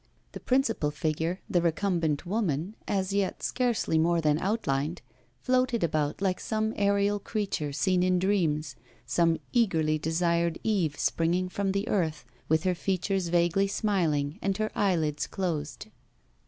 The principal figure, the recumbent woman, as yet scarcely more than outlined, floated about like some aerial creature seen in dreams, some eagerly desired Eve springing from the earth, with her features vaguely smiling and her eyelids closed.